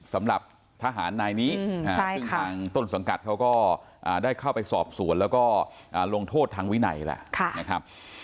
สำหรับทหารนายนี้ซึ่งทางต้นสังกัดเขาก็ได้เข้าไปสอบสวนแล้วก็ลงโทษทางวินัยแล้วนะครับ